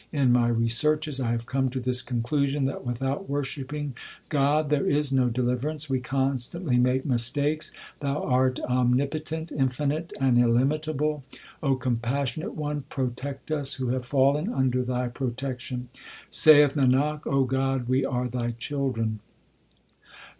In my researches I have come to this conclusion, That without worshipping God there is no deliverance. We constantly make mistakes ; Thou art omnipotent, infinite, 1 and illimitable. O Compassionate One, protect us who have fallen under Thy protection ! Saith Nanak, O God, we are Thy children.